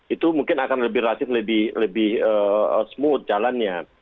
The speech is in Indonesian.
itu mungkin akan lebih relatif lebih smooth jalannya